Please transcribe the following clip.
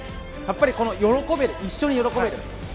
やっぱり喜べる一緒に喜べる。